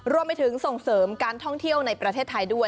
รวมไปถึงส่งเสริมการท่องเที่ยวในประเทศไทยด้วย